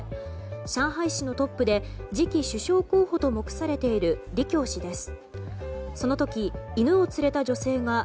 上海市のトップで次期首相候補と目されている李強氏です。